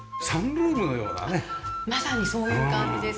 まさにそういう感じです。